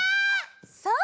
そう！